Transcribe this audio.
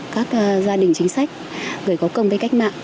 các gia đình chính sách người có công với cách mạng